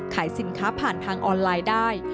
ขายสินค้าผ่านทางออนไลน์ได้